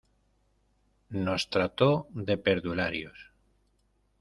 Nos trató de perdularios.